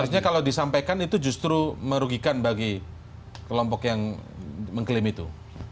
artinya kalau disampaikan itu justru merugikan bagi kelompok yang mengklaim itu